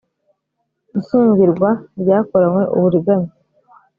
ishyingirwa ryakoranywe uburiganya